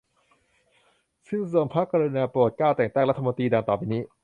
จึงทรงพระกรุณาโปรดเกล้า แต่งตั้งรัฐมนตรี ดังต่อไปนี้